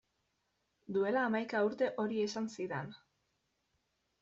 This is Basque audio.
Duela hamaika urte hori esan zidan.